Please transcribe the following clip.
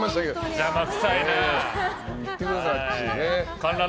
邪魔くさいな。